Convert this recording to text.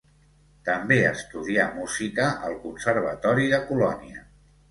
També estudià Música al Conservatori de Colònia.